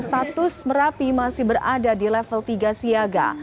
status merapi masih berada di level tiga siaga